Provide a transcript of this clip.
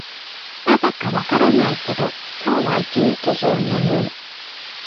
なぜか分からないけど、今日は一日中眠い。